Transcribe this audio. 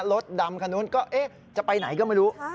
รถดำข้างนู้นก็เอ๊ะจะไปไหนก็ไม่รู้